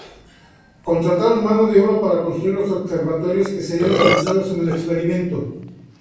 Contrataron mano de obra para construir los observatorios que serían utilizados en el experimento.